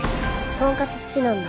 とんかつ好きなんだ。